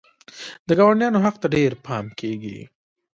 د ګاونډیانو حق ته ډېر پام کیږي.